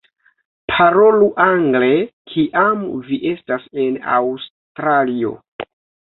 Parolu angle kiam vi estas en Aŭstralio!